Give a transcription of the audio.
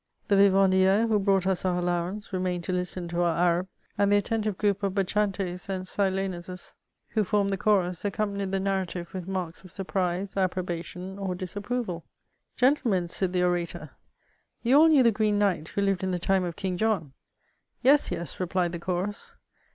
The vivandieres^ who brought us our allowance, remained to listen to our Arab, and the attentive group of Bacchantes and Silenuses who formed the chorus, accompanied the narrative with marks of surprise, approbation, or disapproval. Gentlemen," said the orator, *' You all knew the Green Knight, who lived in the time of King John?" '^Yes, yes,'* replied the chorus.